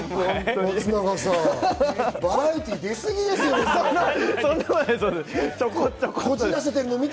バラエティー出すぎですって。